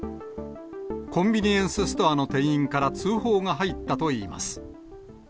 コンビニエンスストアの店員から通報が入ったといいます。